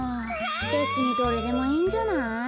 べつにどれでもいいんじゃない？